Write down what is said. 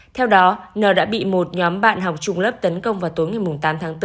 theo đó n đã bị một nhóm bạn học trung lớp tấn công vào tối ngày tám tháng bốn